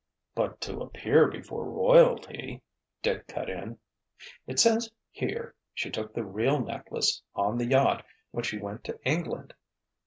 "But to appear before royalty—" Dick cut in. "It says, here, she took the real necklace, on the yacht, when she went to England!"